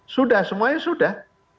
sudah semuanya sudah